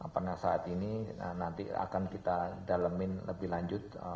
pada saat ini nanti akan kita dalamin lebih lanjut